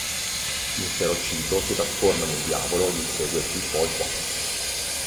Inferocito, si trasforma in un diavolo ed insegue Qui, Quo e Qua.